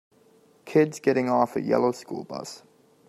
Kids getting off a yellow school bus.